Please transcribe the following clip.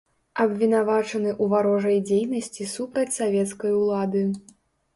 Абвінавачаны ў варожай дзейнасці супраць савецкай улады.